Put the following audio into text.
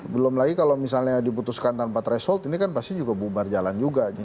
belum lagi kalau misalnya diputuskan tanpa threshold ini kan pasti juga bubar jalan juga